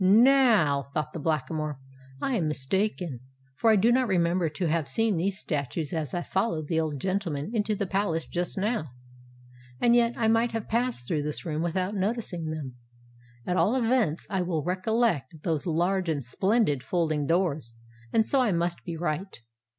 "Now," thought the Blackamoor, "I am mistaken; for I do not remember to have seen those statues as I followed the old gentleman into the palace just now. And yet I might have passed through this room without noticing them. At all events, I well recollect those large and splendid folding doors; and so I must be right."